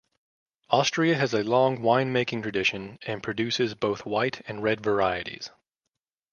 Austria has a long winemaking tradition and produces both white and red varieties.